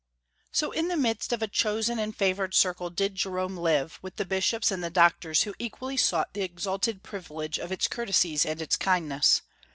So, in the midst of a chosen and favored circle did Jerome live, with the bishops and the doctors who equally sought the exalted privilege of its courtesies and its kindness.